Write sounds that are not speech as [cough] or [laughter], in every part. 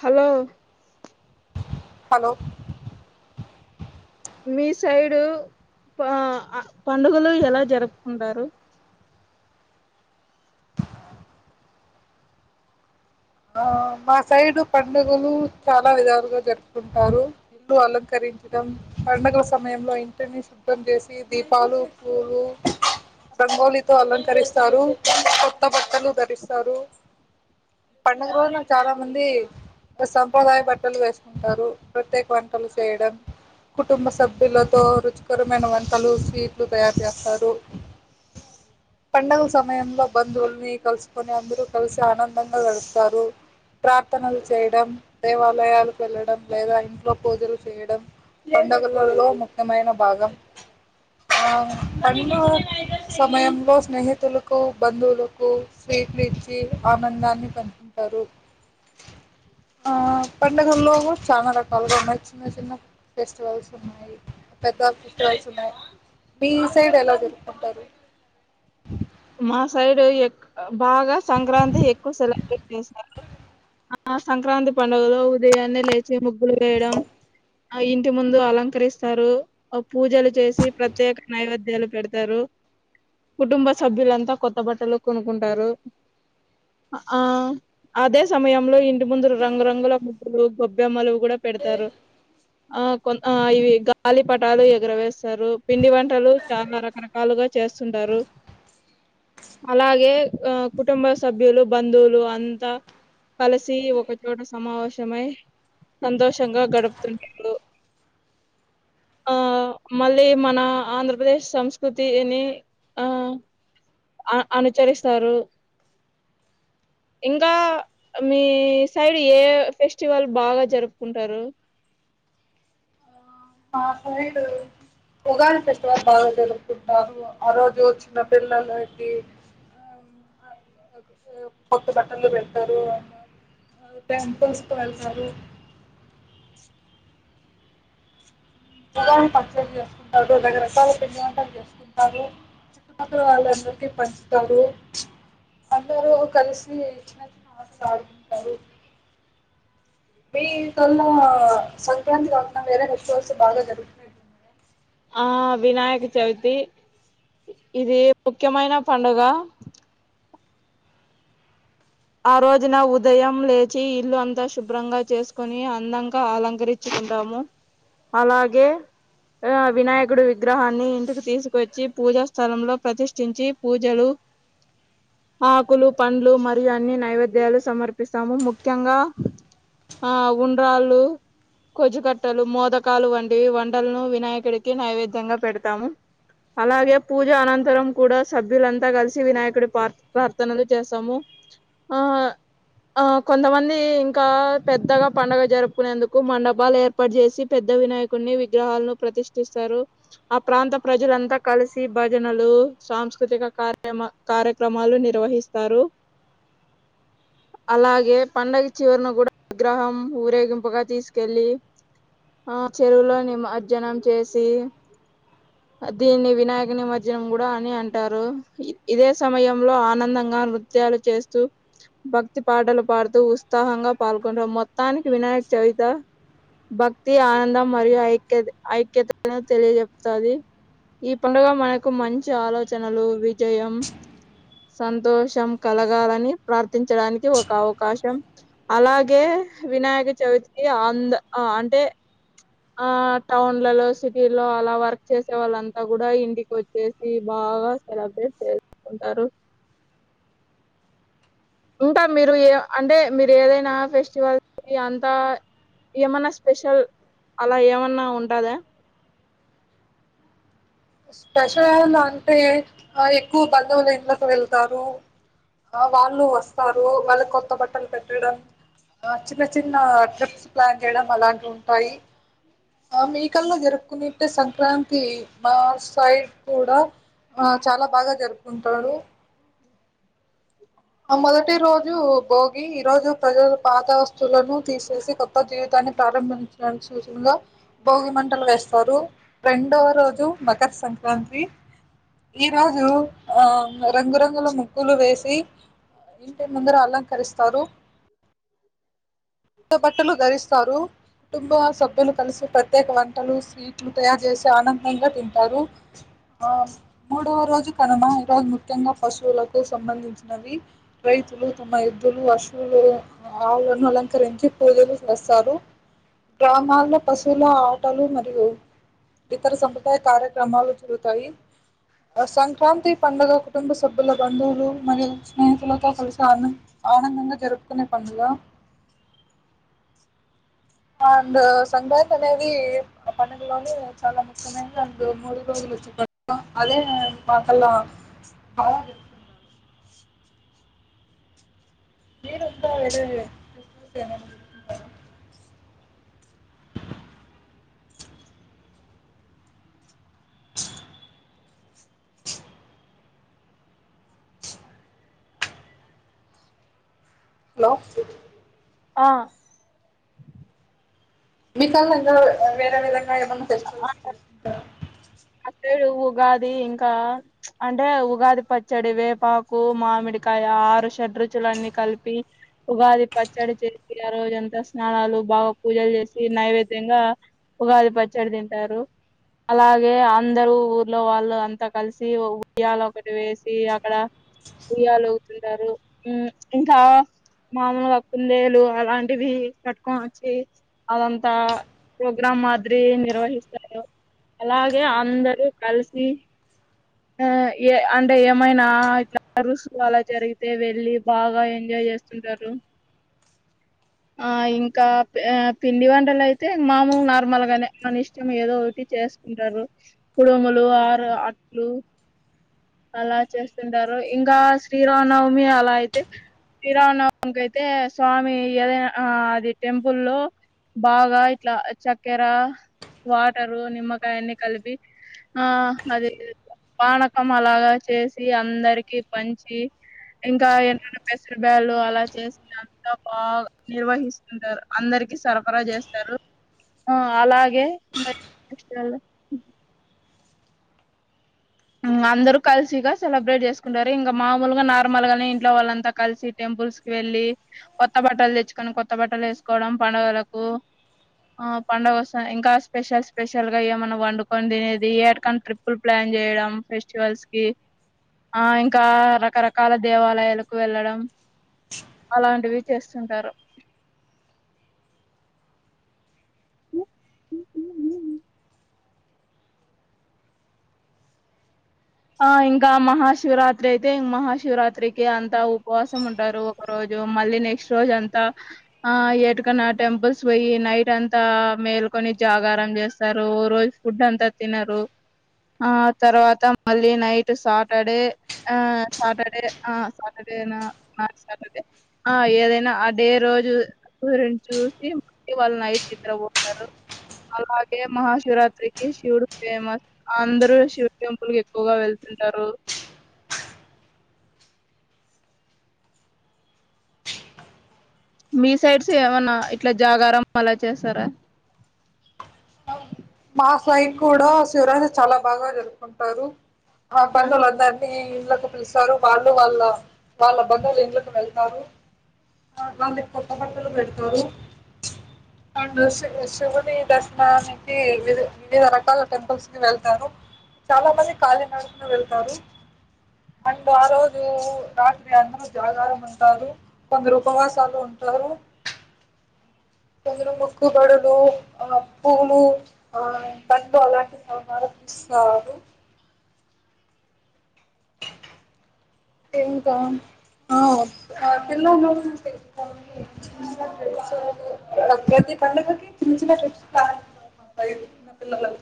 Hello hello మీ side పా అ పండుగలు ఎలా జరుపుకుంటారు ఆ మా సైడ్ పండుగలు చాలా విధాలుగా జరుపుకుంటారు ఇల్లు అలంకరించడం పండుగ సమయంలో ఇంటినీ శుభ్రం జేసి దీపాలు పూలు రంగోలితో అలంకరిస్తారు కొత్త బట్టలు ధరిస్తారు పండగ రోజనా చాలా మంది వ సంప్రదాయ బట్టలు వేస్కుంటారు ప్రత్యేక వంటలు చేయడం కుటుంబ సభ్యులతో రుచికరమైన వంటలు స్వీట్లు తయారు జేస్తారు పండుగుల సమయంలో బంధువుల్ని కలుసుకొని అందరూ కలిసిఆనందంగా గడుపుతారు ప్రార్థనలు చేయడం దేవాలయాలకెళ్ళడం లేదా ఇంట్లో పూజలు చేయడం పండగలొల్లో ముఖ్యమైన భాగం ఆ పండుగల సమయంలో స్నేహితులుకు బంధువులుకు స్వీట్లీ ఇచ్చి ఆనందాన్ని పంచుకుంటారు ఆ పండుగల్లోగు చాలా రకాలుగా ఉన్నాయ్ చిన్న చిన్న ఫెస్టివల్స్ ఉన్నాయి పెద్ద ఫెస్టివల్స్ ఉన్నాయ్ మీ సైడ్ ఎలా జెరుపుకుంటారు మా సైడు ఎక్ బాగా సంక్రాంతి ఎక్కువ సెలబ్రేట్ చేస్తారు ఆ సంక్రాంతి పండుగలో ఉదయాన్నే లేచి ముగ్గులువేయడం ఆ ఇంటి ముందు అలంకరిస్తారు ఓ పూజలు చేసి ప్రత్యేక నైవేద్యాలు పెడతారు కుటుంబ సభ్యులంతా కొత్త బట్టలు కొనుకుంటారు ఆ అదే సమయంలో ఇంటి ముందు రంగురంగుల ముగ్గులు గొబ్బెమ్మలు కూడా పెడతారు ఆ కొన్ అ ఇవి గాలిపటాలు ఎగరవేస్తారు పిండి వంటలు చాలా రకరకాలు గా చేస్తుంటారు అలాగే అ కుటుంబ సభ్యులు బంధువులు అంతా కలిసి ఒకచోట సమావేశమై సంతోషంగా గడుపుతుంటరు ఆ మళ్ళీ మన ఆంధ్రప్రదేశ్ సంస్కృతిని ఆ అ అనుచరిస్తారు ఇంకా మీ సైడ్ ఏ ఫెస్టివల్ బాగా జరుపుకుంటారు మా సైడు ఉగాది ఫెస్టివల్ బాగా జారుపుకుంటారు ఆ రోజు చిన్న పిల్లలకి కోత్త బట్టలు పెడ్తారు టెంపల్స్ కి వెళ్తారు ఉగాది పచ్చడి చేసుకుంటారు రకరకాల పిండి వంటలు చేసుకుంటారు చుట్టుపక్కల వాళ్ళందరికీ పంచుతారు అందరూ కలిసి చిన్న చిన్న ఆటల్ ఆడుకుంటారు మీ కాళ్ళ సంక్రాంతి కాకున్నా వేరే ఫెస్టివల్స్ బాగా జరుగుతున్నాయి ఆ వినాయక చవితి ఇది ముఖ్యమైన పండుగ ఆ రోజున ఉదయం లేచి ఇల్లు అంతా శుభ్రంగా చేస్కొని అందంగా అలంకరిచు కుంటాము అలాగే ఆ వినాయకుడు విగ్రహాన్ని ఇంటికి తీసుకువచ్చి పూజా స్థలంలో ప్రతిష్ఠించి పూజలు ఆకులు పండ్లు మ మరి అన్ని నైవేద్యాలు సమర్పిస్తాము ముఖ్యంగా ఆ ఉండ్రాలు కొజుకట్టలు మోదకాలు వంటివి వంటలను వినాయకుడికి నైవేద్యంగా పెడతాము అలాగే పూజ అనంతరం కూడా సభ్యులంతా కలిసి వినాయకుడి పార్ ప్రార్థనలు చేస్తాము ఆ ఆ కొంతమంది ఇంకా పెద్దగా పండగ జరుపుకునేందుకు మండపాలు ఏర్పాట్ జేసి పెద్ద పెద్ద వినాయకున్ని విగ్రహాల్లో ప్రతిష్ఠిస్తారు ఆ ప్రాంత ప్రజలంతా కలిసి భజనలు సాంస్కృతిక కార్యమ కార్యక్రమాలు నిర్వహిస్తారు అలాగే పండగ చివరిను కూడా విగ్రహం ఊరేగింపుగా తీస్కెళ్ళీ ఆ చెరువులో నిమార్జానం చేసి దీన్ని వినాయక నిమజ్జనం కూడా అని అంటారు ఇదే సమయంలో ఆనందంగా నృ త్యలు చేస్తూ భక్తి పాటలు పాడుతూ ఉత్సాహంగా పాల్గొంటం మొత్తానికి వినాయక్ చవిత భక్తి ఆనందం మరియు ఐక్య ఐక్యతను తెలియజెప్తది ఈ పండుగ మనకు మంచి ఆలోచనలు విజయం సంతోషం కలగాలని ప్రార్థించడానికి ఒక అవకాశం అలాగే వినాయక చవితి ఇ అంద్ అ అంటే ఆ టౌన్లలో సిటీలో అలా వర్క్ చేసే వాళ్ళంతా కూడా ఇంటికోచ్చేసి బా బాగా సెలబ్రేట్ చేస్కూంటారు ఇంకా మీరు ఏ అంటే మీరేదైనా ఫెస్టివల్ కి అంతా ఏమన్నా స్పెషల్ అలా ఏమన్నా ఉంటదా స్పెషల్ అంటే ఆ ఎక్కువ్ బంధువులు ఇళ్ళకు వెళ్తారు ఆ వాళ్ళు వస్తారు వాళ్ళక్ కొత్త బట్టలు పెట్టడం ఆ చిన్న చిన్న ట్రిప్స్ ప్లాన్ చేయడం అలాంటి ఉంటాయి ఆ మీకల్లా జరుపుకున్నట్టే సంక్రాంతి మా సైడ్ కూడా ఆ చాలా బాగా జరుపుకుంటాడు ఆ మొదటి రోజు భోగి ఈ రోజు ప్రజలు పాత వస్తు తులను తీసేసి కొత్త జీవితాన్ని ప్రారంభించ సూచనలో భోగి మంటలు వేస్తారు రెండవ రోజు మకర సంక్ వంతి ఈ రోజు ఆ రంగురంగుల ముగ్గులు వేసి ఆ ఇంటి ముందర అలంకరిస్తారు కొత్త బట్టలు ధరిస్తారు కుటుంబ సబ్ భ్యులు కలిసి ప్రత్యేక వంటలు స్వీట్లు తయారు చేసి ఆనందంగా తింటారు ఆ మూడవ రోజు కనుమ ఈరోజు ముఖ్యంగా పశువులకు సంబంధించినవి రైతులు తమ ఎద్దులు అశువులు ఆవులను అలంకరించి పూజలు చేస్తారు గ్రామాల్లో పశువుల ఆటలు మరియు ఇతర సంప్రదాయ కార్యక్రమాలు జరుతాయి ఆ సంక్రాంతి పండుగ కుటుంబ సభ్యుల బంధువులు మరియు స్నేహితులతో కలిసి ఆన్ ఆనందంగా జరుపుకునే పండుగా అండ్ సంక్రాంతి అనేది పండగలోనే చాలా ముఖ్యమైంది అండ్ మూడు అదే కదా నాకలా అలా జెప్తున్నాడు మీరుతా [unintelligible] హలో ఆ మీ కల [unintelligible] వేరే విధంగా ఏమన్నా ఫెస్టివల్స్ చేస్కుంటార టే ఉగాది ఇంకా ప్చ్ అంటే ఉగాది పచ్చడి వేపాకు మామిడికాయ ఆరు షడ్రుచులన్నీ కలిపి ఉగాది పచ్చడి చేసి ఆ రోజంతా స్నానాలు బాగా పూజలు జేసి నైవేద్యంగా ఉగాది పచ్చడి తింటారు అలాగే అందరూ ఊర్లో వాళ్ళు అంతా కలిసి ఉయాల ఒకటి వేసి అకడ ఉయ్యాల ఊగుతుంటారు ఊ ఇంకా మామూలుగా కుందేలు అలాంటివి కట్టుకొనచ్చి అదంతా ప్రోగ్రాం మాదిరి నిర్వహిస్తారు అలాగే అందరూ కలిసి ఆ ఏ అంటే ఏమైనా ఇట్లా రుసు అలా జరిగితే వెళ్ళి బాగా ఎంజాయ్ చేస్తుంటారు ఆ ఇంకా పే ఆ పిండి వంటలైతే మామూల్ నార్మల్గానే మన ఇష్టం ఏదో ఒకటి చే చేస్కుంటారు కుడుములు ఆరు అట్లు అలా చేస్తుంటారు ఇంకా శ్రీరామనవమి అలా అయితే శ్రీరామనవమికైతే స్వామి ఏదైనా ఆ అది టెంపుల్లో బాగా ఇట్లా చక్కెర వాటరు నిమ్మకాయని కలిపి ఆ అది పానకం అలాగా చేసి అందరికి పంచి ఇంకా ఏనన్న పెసర్ బాలు అలా చేసి అంతా బాగా నిర్వహిస్తుంటారు అందరి రికి సరఫరా జేస్తారు ఊ అలాగే [unintelligible] మ్మ్ అందరూ కలిసి ఇంగా సెలబ్రేట్ జేస్కుంటారు ఇంగా మామూలుగా నార్మల్ గానే ఇంట్లో వాళ్ళంతా కలిసి టెంప్ పుల్స్ కీ వెళ్ళి కొత్త బట్టల్ దెచ్చుకొని కొత్త బట్టలు ఏస్కోడం పండుగలకు ఆ పండుగ వొస్తా ఇంకా స్పెషల్ స్పెషల్ గా ఏమన్నా వండుకొని దినేదీ ఏట్కని ట్రిప్పుల్ ప్లాన్ జేయడం మ్ ఫెస్టివల్స్ కి ఆ ఇంకా రకరకాల దేవాలయాలకు వెళ్ళడం అలాంటివి చేస్తుంటారు ఆ ఇంకా మహాశివరాత్రి అయితే ఇం మహాశివరాత్రికి అంతా ఉపవాసం ఉంటారు ఒక రోజు మళ్ళీ నెక్స్ట్ రోజంతా ఆ ఏటికన్నా టెంపుల్స్ వోయి నైటంతా మేల్క్ కొని జాగారం జేస్తారు ఓ రోజు ఫుడ్ అంతా తినరు ఆ తర్వాత మళ్ళీ నైట్ సాటర్డే ఆ సాటర్డే ఆ సాటర్డేనా ఆ సాటర్డే ఆ ఏదైనా ఆ డే రోజు సూరిని చూసి మల్ వాళ్ళు నైట్ నిద్రవోతరు అలాగే మహాశివరాత్రికి శివుడు ఫేమస్ అందరు శివుడి టెంపుల్ కి క్కువగా వెళ్తుంటారు మీ సైడ్స్ ఏమన్నా ఇట్లా జాగారం అలా చేస్తారా మా సైడ్ కూడ శివరాత్రి చాలా బాగా జరుపుకుంటారు వ పనులు వద్దండీ లకు పిలుస్తారు వాళ్ళు వాళ్ళ వాళ్ళ బంధువుల ఇండ్లకు వెళ్తారు అంది కొత్త బట్టలు పెడుతారు అండ్ శి శివున్ని దర్శ్ దానికి వీర్ వివిధ రకాల టెంపుల్స్ కి వెళ్తారు చాలా మంది కాళీనడకన వెళ్తారు అండ్ ఆ రోజు రాత్రి అందరు జాగారం ఉంటారు కొందరు ఉపవాసాలు ఉం ఫ్లవరు కొందరు ముకుబడులు ఆ పువులు ఆ పండ్లు అలాంటివి సంహారం ఇస్తారు ఇంకా ఆ ఆ పిలో [unintelligible] ప్రతి పండగకి చిన్న చిన్న [unintelligible] చిన్న పిలలకు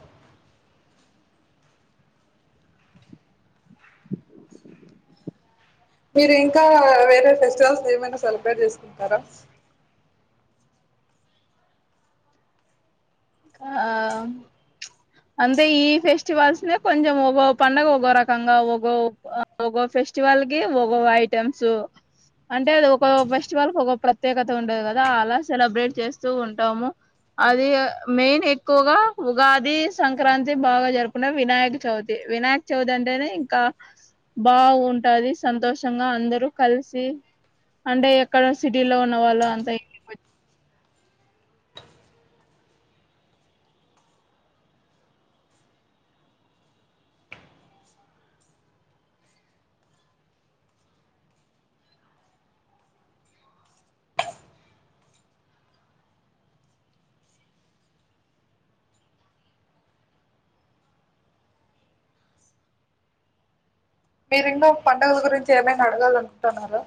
మీరు ఇంకా వేరే ఫెస్టివల్స్ ఏమైనా సెలబ్రేట్ చేసుకుంటారా ఆ ప్చ్ అంటే ఈ ఫెస్టివల్స్నే కొంచెం ఒగో పండగ ఒగో రకంగా ఒగో ఓగో ఫెస్టివల్స్ కి ఓగో ఐటెమ్స్ అంటే అది ఒక ఫెస్టివల్ ఒక ప్రత్యేకత ఉంటది కదా అలా సెలబ్రేట్ చేస్తూ ఉంటాము అది ఇగ మెయిన్ ఎక్కువగా ఉగాది, సంక్రాంతి బాగా జరుపుకుంటం. వినాయక చవితి వినాయక చవితి అ అంటేనే ఇంకా బాగుంటాది. సంతోషంగా అందరూ కలిసి అంటే ఎక్కడ సిటీలో ఉన్నవాళ్ళు అంత ఇంటికి పొయ్యి మీరి ఇన్నో పండగల గురించి ఏమైనా అడగాల అనుకుంటున్నారా